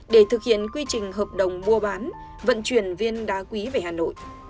để thực hiện quy trình hợp đồng mua bán vận chuyển viên đá quý về hà nội